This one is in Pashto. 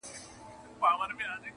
دوی دواړه بحث کوي او يو بل ته ټوکي کوي,